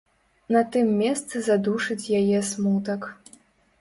На тым месцы задушыць яе смутак.